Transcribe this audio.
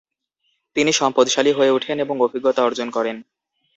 তিনি সম্পদশালী হয়ে উঠেন এবং অভিজ্ঞতা অর্জন করেন।